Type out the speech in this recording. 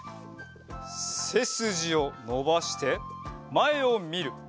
せすじをのばしてまえをみる。